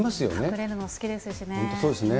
隠れるの好きですしね。